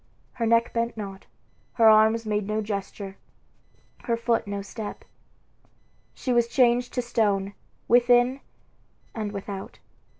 Her neck bent not, her arms made no gesture, her foot no step. She was changed to stone, within and without.